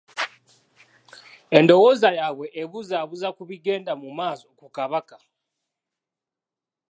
Endowooza yaabwe ebuzabuuza ku bigenda mu maaso ku Kabaka.